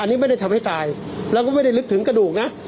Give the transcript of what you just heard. อันนี้ไม่ได้ทำให้ตายเราก็ไม่ได้ลึกถึงกระดูกนะ